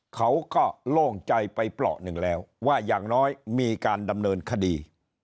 เขาก็โล่งใจไปเปราะหนึ่งแล้วว่าอย่างน้อยมีการดำเนินคดี